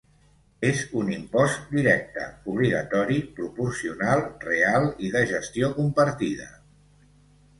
És un impost directe, obligatori, proporcional, real i de gestió compartida.